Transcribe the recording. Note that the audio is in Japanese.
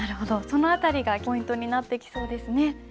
その辺りがポイントになってきそうですね。